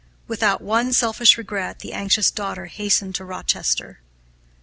Without one selfish regret, the anxious daughter hastened to Rochester.